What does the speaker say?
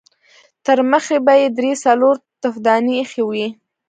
ترمخې به يې درې څلور تفدانۍ اېښې وې.